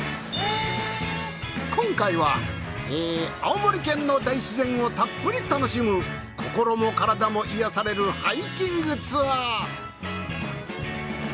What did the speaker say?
今回は青森県の大自然をたっぷり楽しむ心も体も癒やされるハイキングツアー。